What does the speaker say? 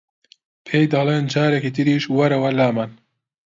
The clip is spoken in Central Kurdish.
پێی دەڵێن جارێکی تریش وەرەوە لامان